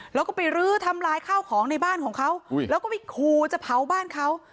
แล้วก็ไปรื้อทำลายข้าวของในบ้านของเขาแล้วก็ไปคูจะเผาบ้านเขา